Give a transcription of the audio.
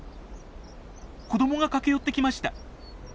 子どもが駆け寄ってきました。